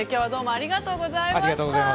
◆ありがとうございます。